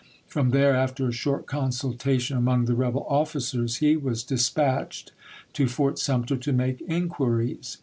From there, after a short consultation among the rebel officers, he was dispatched to Fort Sumter to make inquiries.